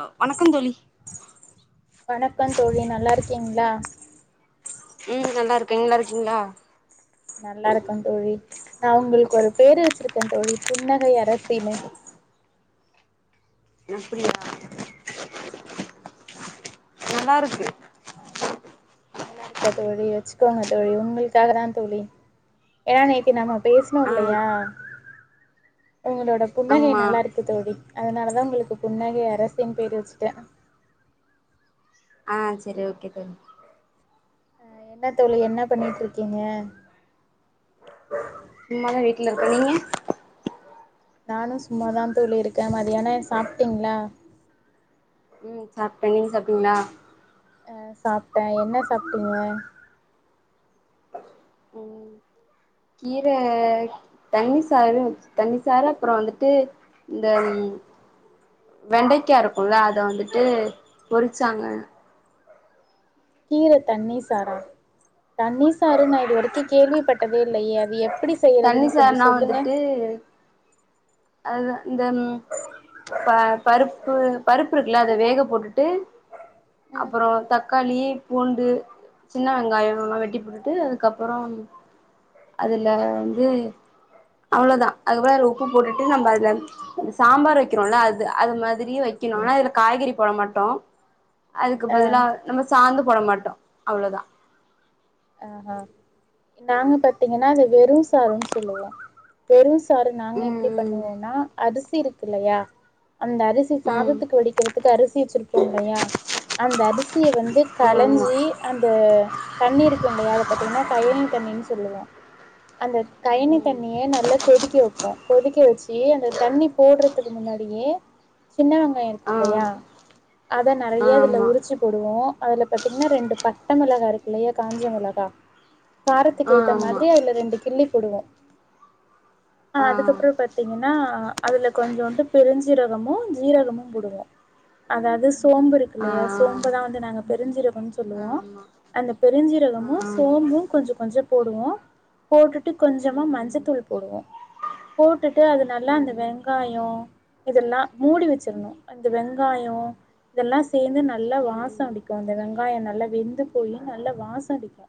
ஆ வணக்கம் தோழி வணக்கம் தோழி நல்லா இருக்கீங்களா ம் நல்லா இருக்க நீங் நல்லா இருக்கீங்களா நல்லா இருக்க தோழி நா உங்களுக்கு ஒரு பேரு வச்சிருக்க தோழி புன்னகை அரசினு இப்படியா [unintelligible] நல்லா இருக்கு நல்லா இருக்கா தோழி வச்சிக்கோங்க தோழி உங்களுக்காகதா தோழி ஏன்னா நேத்தி நம்ம பேசணோ ஆ இல்லையா உங்களோட புன்னகை ஆமா நல்லா இருக்கு தோழி அதனால தா உங்களுக்கு புன்னகை அரசினு பேர் வச்சிட்ட ஆ சரி ஓகே தோழி அ என்ன தோழி என்ன பண்ணிட்ருக்கீங்க சும்மாதா வீட்ல இருக்க நீங்க நானும் சும்மாதா தோழி இருக்க மதியான சாப்ட்டீங்களா ம் சாப்ட்ட நீங்க சாப்டிங்களா ஆ சாப்ட்ட என்ன சாப்ட்டீங்க ம் கீர தண்ணி சாறு அ தண்ணி சாறு அப்றோ வந்துட்டு இந்த வெண்டைக்கா இருக்குல்ல அத வந்துட்டு பொரிச்சாங்க கீரை தண்ணி சாறா தண்ணிசாறு நா இது வரைக்கு கேள்விப்பட்டதே இல்லையே அது எப்படி செய்றதுன்னு கொஞ்சோ சொல்லுங்க இது அது இந்த ம் ப பருப்பு பருப் சுப்பு இருக்குல்ல அத வேக போட்டுட்டு ம் அப்பறோ தக்காளி பூண்டு சின்ன வெங்காயம் வெட்டிபுட்டு அதுக்கப்புறம் அதுல வந்து அவ்வளவுதா அது பார் உப்பு போட்டுட்டு நம்ம அத சாம்பார் வைக்கறோம்ல்ல அது அது மாதிரியே வைக்கணும் ஆனா இதுல காய்கறி போட மாட்டோ அதுக்கு பதிலா நம்ம சாந்து போட மாட்டோ அவ்ளோதா ஆ அ நாங்க பாத்தீங்கன்னா அது வெறும் சோருன்னு சொல்லுவோ வெறும் சோறு நாங்க எப்படி ம் பண்ணுவோம்னா அரிசி இருக்கு இல்லையா அந்த அரிசி ம் சாதத்துக்கு வடிக்கிறதுக்கு அரிசி வச்சியிருப்போம் இல்லையா அந்த அரிசி அரிசிய வந்து ம் கலைஞ்சி அந்த தண்ணீர் அத பாத்தீங்கன்னா கயணி தண்ணின்னு சொல்லுவோ அந்த கயனி தண்ணிய நல்லா கொதிக்க வைப்போ கொதிக்க வச்சு அந்த தண்ணி போடுறதுக்கு முன்னாடியே சின்ன வெங்காயம் இல்லையா அத நறைய இதுல ஆமா ம் உரிச்சு போடுவோம் அதுல பாத்தீங்கன்னா ரெண்டு பட்ட மிளகா இருக்கு இல்லையா காஞ்ச மிளகா காரத்துக்கு ஆ ஆமா ஆ ஏத்த ஆமா மாதிரி அதுல ரெண்டு கிள்ளி போடுவோம் ஆ அதுக்கப்ரோ பாத் த்தீங்கன்னா அதுல கொஞ்சுன்டு பெருஞ்சீரகமும் ஜீரகமும் போடுவோம் அதாவது சோம்பு இருக்கு இல்லையா ஆ சோம்பு தா வந்து நாங்க பெரிஞ்சீரகம்னு சொல்லுவோ ஆமா அந்த பெருஞ்சீரகமு ஆ சோம்பு கொஞ்சோ கொஞ்சோ போடுவோ போட்டுட்டு கொஞ்சமா ம் மஞ்சத்தூள் போடுவோ போட்டுட்டு அது ம் நல்லா அந்த ம் வெங்காயோ இதெல்லா மூடி வெச்சரணு அந்த வெங்காயோ இதெல்லா சேந்து நல்லா ம் வாசோ ம் அடிக்கு அந்த வெங்காயோ நல்லா வெந்து போய் நல்லா வாசசோ அடிக்கு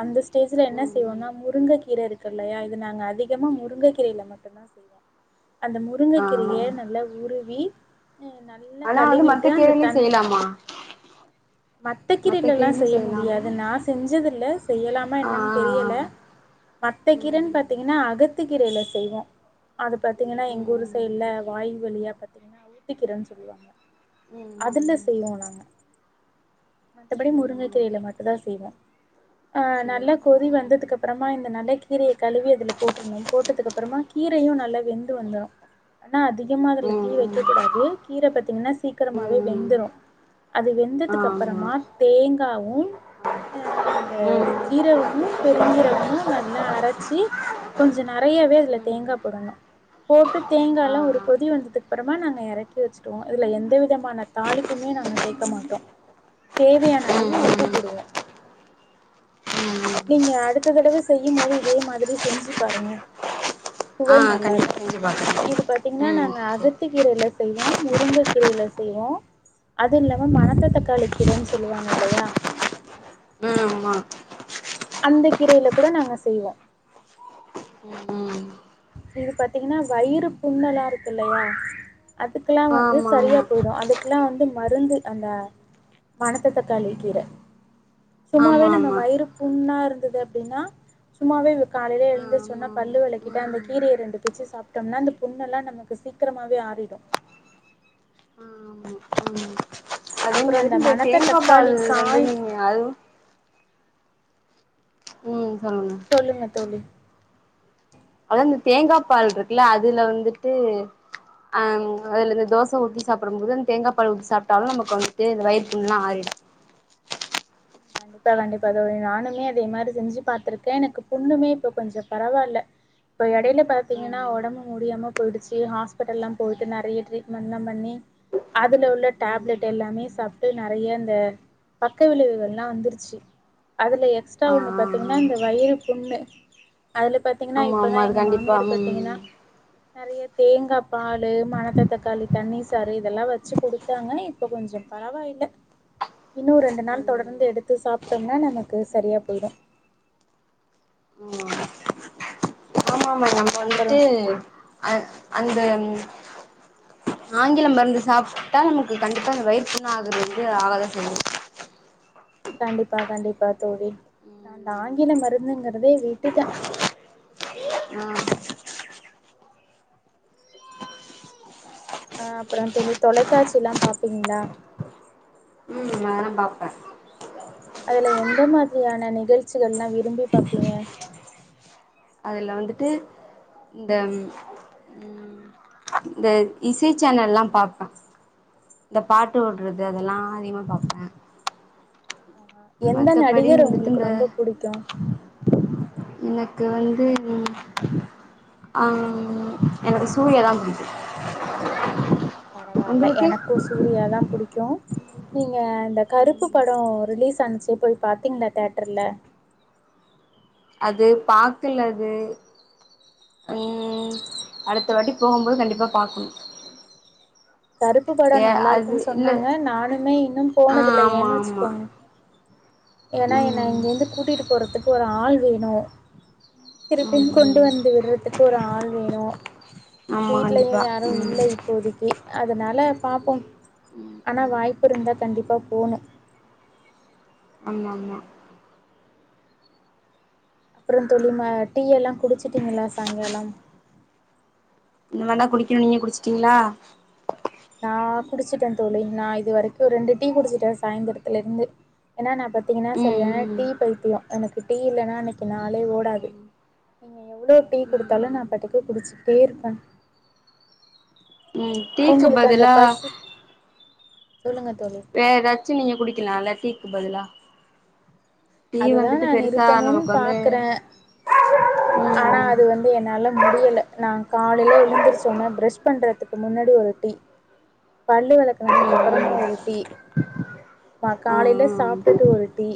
அந்த ஸ்டேஜ்ல என்ன ம் ம் செய்வோனா முருங்க கீர இருக்குல்லையா இது நாங்க அதிகமா முருங்க கீரைல மட்டும்தா செய்வோ அந்த முருங்கை ஆ ஆ கீரைய நல்லா உருவி நல்லா ஆனா வந்து மத்த கழுவிட்டு அந்த கீரைலயு தண்ணி செய்யலாமா மத்த கீரையில எல்லா கீரைலயு செய்ய மு செய்யலாமா முடியாது நான் செஞ்சதில்ல செய்யலாமா ஆ என்னன்னு ஆ ஆ தெரியில மத்த ம் கீரனு பாத்தீங் ன்னா அகத்தி கீரயில செய்வோ அது பாத்தீங்கன்னா ம் ம் எங்க ஊரு ம் இல்ல வாய் வழியா பாத்தீங்கன்னா அவுத்திக் கீரன்னு சொல்லுவாங்க ம் அதெல்லா ம் செய்வோ நாங்க மத்தபடி ம் முருங்கைக் ம் கீரையில மட்டுதா செய்வோ ஆ சேரி நல்லா கொதி சேரி வந்ததுக்கு ம் அப்றம் மா இந்த நல்ல கீரைய கழுவி அதுல போட்டிருணும் போட்டதுக்கு அப்புறமா கீரையும் நல்லா வெந்து வந்துரும் ஆனா அதிகமா அதுல தீ ம் வைக்கக்கூடாது கீர பாத்தீங்கன்னா ம் சீக்கிரமாவே ம் ம் வெந்துரு அது வெந் ஆமா ந்ததுக்குப்பறமா தேங்காவும் அ இந்த ம் ம் ஜீரகமும் பெருஞ்சீரகமும் நல்லா அரைச்சி கொஞ்ச நறையாவே அதுல தேங்கா போடணும் போட்டு ஆ தேங்கால ஒரு ஆ கொதி வந்ததுக்கு அப்புறமா நாங்க இறக்கி வெச்சுரு வோம் இதுல எந்த விதமான தாலிப்புமே நாங்க சேக்க மாட்டோ தேவை யான ம் அளவு உப்பு ம் போடுவோ ம் ம் நீங்க அடுத் த்ததடவ செய்யும் போது இதே மாதிரி செஞ்சு பாருங்க ஆ சுவை நல்லா கண்டிப்பா இருக்கும் செஞ்சு பாக்குறே இது பாத்தீங்கன்னா ம் நாங்க சே அகத்தி கீரையில செய்வோம் முருங்க கீரையில செய்வோம் அது இல்லாம ம் மனத்த ம் தக்காளி கீரன்னு சொல்லுவாங்க இல்லையா ஆ ஆமா அந்த கீரையில கூட நாங்க செய்வோ ம் ம் இது பாத்தீங்கன்னா வயிறு புண்ணுலா இருக்குல்லையா அதுக்கெல்லா வந்து ஆமா சரியா ஆமா போய்டு அதுக்கெல்லா வந்து மருந்து அந்த மணத்த தக்காளி கீர சும்மாவே ஆமா நம்ம ஆமா வயிறு புண்ணா இருந்தது அப்டின்னா சும்மாவே காலைல ஆ எழுந்திருச்ச ஆமா ஒன்னே ஆமா பல்லு வெளக்கிட்டு அந்த ம் கீரய ரெண்டு பிச்சு சாப்ட்டோனா அந்த புண்ணெல்லா நமக்கு சீக்கிரமாவே ஆறிடு நீங்க அப்புறம் அந்த வந்து இந்த மணத்த தேங்காபால் தக்காளி வந்து காய் நீங்க அதுவு ம் சொல்லுங்க சொல்லுங்க தோழி அதா இந்த தேங்கா பால் இருக்குல்ல அதுல வந்துட்டு ஆ அதுல இந்த தோச ஊத்தி சாப்டும்போது அந்த தேங்கா பால் ஊத்தி சாப்ட்டாலு நமக்கு வந்து இந்த வயிற்புண்லா ஆறிடு கண்டிப்பா கண்டிப்பா தோழி நானுமே அதே மாரி செஞ்சு பாத்ருக்கே எனக்கு புண்ணுமே இப்ப கொஞ்சோ பரவால்ல இப்போ எடைல பாத்தீங்கன்னா ம் ஒடம்பு முடியாம போய்டுச்சு ஹாஸ்பிடல்லா போய்ட்டு நெறய ட்ரீட்மெண்ட்லா பண்ணி அதுல உள்ள ம் டேப்லெட் எல்லாமே சாப்ட்டு நெறய இந்த பக்க விளைவுகள் லா வந்துருச்சு அதுல எக்ஸ்ட்ரா ஆ ஒண்ணு ஆ பாத்தீங்கன்னா ஆ இந்த வயிறு புண்ணு அதுல பாத் த்தீங்கனா ஆமா இப்பதா ஆமா அது எங்க கண்டிப்பா மாமியார் பாத்தீங்கனா ம் நெறய தேங்கா பாலு மணத்த தக்காளி தண்ணி சாறு இதெல்லா வச்சு குடுத்தாங்க இப்ப கொஞ்சோ பரவா இல்ல இன்னு ரெண்டு நாள் தொட ம் ந்து எடுத்து சா சாப்டோனா நமக்கு சரியா போய்டு ம் ஆ ஆமா ஆமா நம்ம அப்பறோ வந்துட்டு அ அந்த ஆங்கில மருந்து சாப்டா நமக்கு கண்டிப்பா இந்த வயிறு புண் ஆகுதுன்ட்டு ஆகாதா செஞ்ச கண்டிப்பா கண்டிப்பா தோழி அந்த ஆங்கில மருந்துங்கிறதே விட்டுட்ட ஆ அ அப்றோ தோழி தொலைக்காட்சில்லா பாப்பீங்ளா நானு பாப்ப அதுல எந்த மாரியான நிகழ்ச்சிகள்லா விரும்பி பாப்பீங்க அதுல வந்துட்டு இந்த ம் ம் இந்த இசை சேனல்லா பாப்ப இந்த பாட்டு ஓடுறது அதெல்லா அதிகமா பாப்ப எந்த மத்தபடி நடிகர வந்துட்டு உங்களுக்கு இந்த ரொம்ப புடிக்கு எனக்கு வந்து ஆ எனக்கு சூர்யாதா புடிக்கு பரவால்ல உங்களுக்கு எனக்கு சூர்யாதா புடிக்கு நீங்க இந்த கருப்பு படோ ரிலீஸ் அன்ச்சு போய் பாத்தீங்களா தேட்டர்ல அது பாக்கலது ம் அடுத் தவாட்டி போம்போது கண்டிப்பா பாக்கணு கருப்பு படோ தே அது நல்லாருக்குன் இல்ல சொன்னாங்க நானுமே இன்னு ஆ போனதில்ல ஆமா ஏன்னு ஆமா வச்சுக்கோங்க ஏனா என்ன ம் இங்க இருந்து கூட்டிட்டு போறதுக்கு ஒரு ஆள் வேணு திருப்பியு ம் கொண்டு ம் வந்து விடுறதுக்கு ஒரு ஆள் வேணு ஆமா வீட்லயு கண்டிப்பா யாரு ம் இல்ல இப்போதைக்கு அதுனால பாப்போ ம் ஆனா ம் வாய்ப்பு இருந்தா கண்டிப்பாக போணு ஆமா மா அப்றோ தோழி மா டீ எல்லா குடிச்சிட்டீங்களா சாய்ங்காலம் இனிமேதா குடிக்கணு நீங்க குடிச்சிட்டீங்ளா நா குடிச்சிட்ட தோழி நா இது வரைக்கு ரெண்டு டீ குடிச்சிட்டே சாயந்திரத்துல இருந்து ஏனா நா இப்ப பாத்தீங்கனா ம் சரியான ம் டீ பைத்தியோ எனக்கு டீ இல்லன்னா இன்னைக்கி நாளே ஓடாது ம் நீங்க எவ்ளோ டீ ம் குடுத்தாலு நா ம் பாட்டுக்கு குடிச்சிட்டே இருப்ப ம் டீக்கு உங்களுக்கு அந்த பதிலா பஸ் சொல்லுங்க தோழி வேற எதாச்சு நீங்க குடிக்கலால டீக்கு பதிலா டீ அதுதான் வந்துட்டு நான் பெருசா நிறுத்தணும்னு நமக்கு வந்து பார்க்குறேன். ம் ஆனா ம் அது வந்து என்னால முடியல நா காலேல எழுந்திருச்ச ஓனே ப்ரெஷ் பண்றதுக்கு முன்னாடி ஒரு டீ பல்லு வெலக்குணத்துக்கு ம் அப்பறமா ஒரு டீ பா ம் காலைல ம் ம் சாப் டுட்டு ஒரு டீ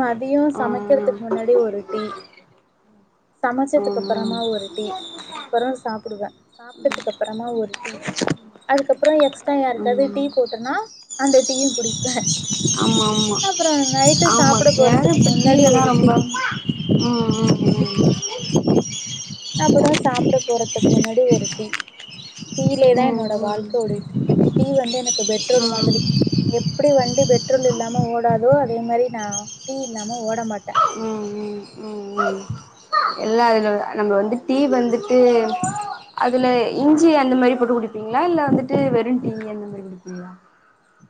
மதியோ ஆ ஆ சமைக்கிறதுக்கு முன்னாடி ஒரு டீ சமைச்சதுக்கு ம் அப்பறமா ஒரு டீ அப்பறோ சாப்டுவே சாப்டதுக்கு அப்பறமா ஒரு டீ அதுக்கப்பறோ எக்ஸ்ட்டா யாருக்காது ம் டீ போட்டனா அந்த டீயு குடிப்ப ஆமா ஆமா அப்பறோ நைட் மத்தியானோ இந்த டீ ல தா ரொம்ப ம் ம் ம் அப்பறோ சாப்ட போறதுக்கு முன்னாடி ஒரு டீ டீயிலே தா என்னோட வாழ்க்க ஓடிட்டு இருக்கு டீ வந்து எனக்கு பெட்ரோல் மாதிரி எப்டி வண்டி பெட்ரோல் இல்லாம ஓடாதோ அதே மாரி நா டீ இல்லாம ஓட மாட்ட ம் ம் ம் ம் எல்லா அதுல நம்மல வந்து டீ வந்துட்டு அதுல இஞ்சி அந்த மாரி போட்டு குடிப்பீங்ளா இல்ல வந்துட்டு வெரு டீ அந்த மாரி குடிப்பீங்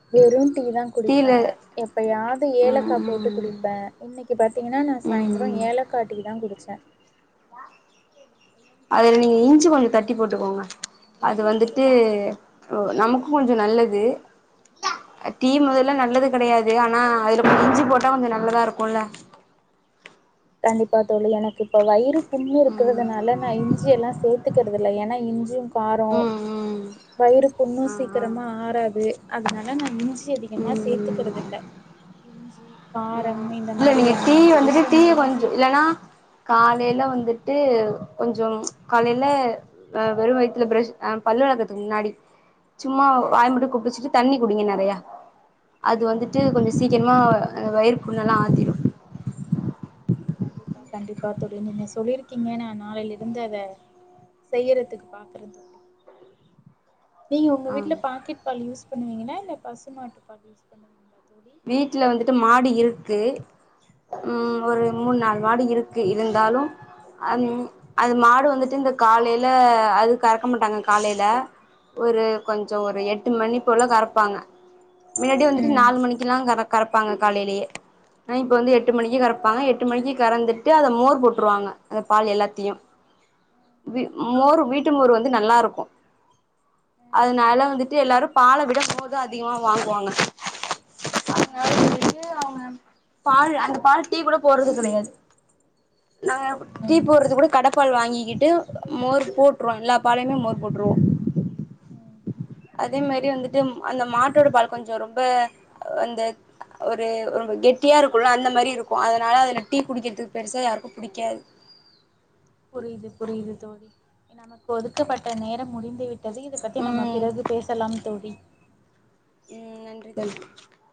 ம் வெறு டீ தா குடிப்ப அ எப்பயாது ம் ஏலக்கா ம் போட்டு குடிப்ப இன்னைக்கி பாத்தீங்கனா நா ம் ம் சாய்ந்திரோ ம் ஏலக் காட்டிக்கு தா குடிச்ச அதுல நீங்க இஞ்சி கொஞ்ச தட்டி போட்டுக்கோங்க அது வந்துட்டு ஒ நமக்கு கொஞ்ச நல்லது டீ மொதல்ல நல்லது கெடையாது ஆனா அதுல இஞ்சி போட்டா கொஞ்ச நல்லதா இருக்குல கண்டிப்பா தோழி எனக்கு இப்ப வயிறு புண்ணு ம் இருக்கிறதுனால நா இஞ்சி எல்லா சே சேத்துக்கறது இல்ல ஏன்னா இஞ்சியு காரொ ம் ம் வயிறு புன்னு ஆ சீக் ஆ க்கறமா ஆறாது அதனால நா இஞ்சி அதிகமா ம் சேத்துக்கறது ம் இல்ல இஞ்சி காரம் ம் இந்த இல்ல நீங்க டீ மாரியான இது வந்துட்டு டீய விஷயங்கள்லா கொஞ்சோ இல்லன்னா காலையில வந்துட்டு கொஞ்சொ காலையில அ வெறு வயித்துல பிரஸ் அ பல்லு வெளக்கத்துக்கு முன்னாடி சும்மா வாய் மட்டு கொப்பிழிசிட்டு தண்ணி குடிங்க நெறைய அது வந்துட் டு கொஞ்ச ம். சீக்கிரம வயிற புண்ணெல்லா ஆத்திரு கண்டிப்பா கண்டிப்பா தோழி நீங்க சொல்லிருக்கீங்க நா நாளையில இருந்து அத செய்யறத்துக்கு பாக்கற தோழி நீங்க உங்க ஆ வீட்ல பாக்கெட் பால் யூஸ் பண்ணுவீங்களா இல்ல பசுமாட்டு பால் யூஸ் பண்ணுவீங்களா தோழி வீட்ல வந்துட்டு மாடு இருக்கு ம் ஒரு மூணு நாலு மாடு இருக் க்கு இருந்தாலு அன் அது மாடு வந்துட்டு இந்த காலையில அது கறக்க மாட்டாங்க காலையில ஒரு கொஞ்சொ ஒரு எட் எட்டு மணி போல கறப்பாங்க முன்னாடி வந்துட்டு ம் நாலு மணிக்கு எல்லாம் கர கரப்பாங்க காலையிலயே ஆனா இப்ப வந்து எட்டு மணிக்கு கறப்பாங்க எட்டு மணிக்கு கறந்துட்டு அதை மோர் போட்டுருவாங்க அந்த பால் எல்லாத்தையு இது மோர் வீட்டு மோறு வந்து நல்லாருக்கு ம் அதுனால வந்துட்டு எல்லாரு பால விட மோர் தா அதிகமா வாங்வாங்க [inaudible] அவுங்க பால் அந்த பால் டீ கூட போட்றது கெடையாது நாங்க அப் டீ ம் போட்றது கூட கட பால் வாங்கிக்கிட்டு மோர் போட்ருவோ எல்லா பாலையுமே மோர் போட்ருவோ அதே மாரி வந்துட்டு அந்த மாட்டோட பால் கொஞ்சோ ரொம்ப அந்த ஒரு ரொம்ப கெட்டியா இருக்குல்ல அந்த மாரி இருக்கும் அதனால அதுல டீ குடிக்கிறதுக் பெருசா யாருக்கு புடிக்காது புரியிது புரியிது தோழி நமக்கு ஒதுக்கப்பட்ட நேரம் முடிந்து விட் டது இது பத்தி நம்ம ம் பிறகு பேசலாம் தோழி ம் நன்றி தோழி